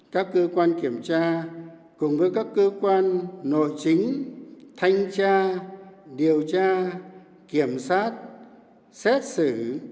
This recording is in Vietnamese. các cơ quan kiểm tra cùng với các cơ quan nội chính thanh tra điều tra kiểm soát xét xử